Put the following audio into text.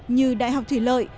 như đại học thủy lợi